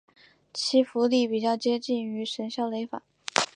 其符箓比较接近于神霄雷法。